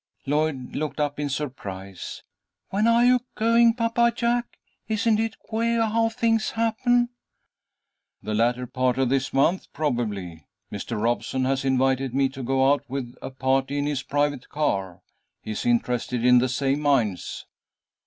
Lloyd looked up in surprise. "When are you going, Papa Jack? Isn't it queah how things happen!" "The latter part of this month, probably. Mr. Robeson has invited me to go out with a party in his private car. He is interested in the same mines."